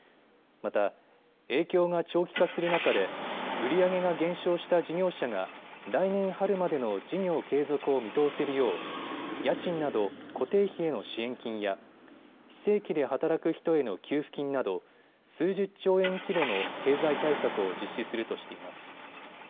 また、影響が長期化する中で売り上げが減少した事業者が来年春までの事業継続を見通せるよう家賃など固定費への支援金や非正規で働く人への給付金など数十兆円規模の経済対策を実施するとしています。